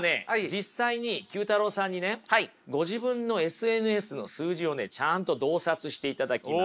実際に９太郎さんにねご自分のＳＮＳの数字をちゃんと洞察していただきます。